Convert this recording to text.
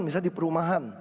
misalnya di perumahan